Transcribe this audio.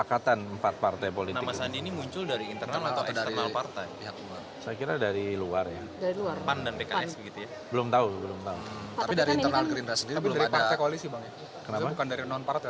bukan dari non partai tapi dari partai